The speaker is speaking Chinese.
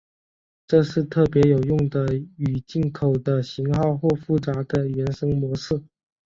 这是特别有用的与进口的型号或复杂的原生模式。